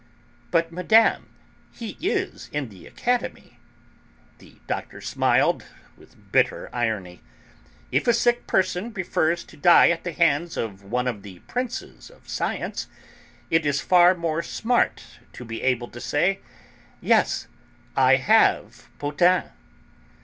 "But, Madame, he is in the Academy." The Doctor smiled with bitter irony. "If a sick person prefers to die at the hands of one of the Princes of Science... It is far more smart to be able to say, 'Yes, I have Potain.'"